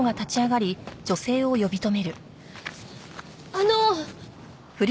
あの！